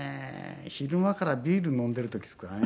昼間からビール飲んでいる時ですかね。